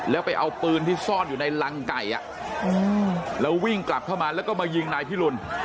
แล้วไปเอาปืนที่ซ่อนอยู่ในรังไก่แล้ววิ่งกลับเข้ามาแล้วก็มายิงนายพิรุณ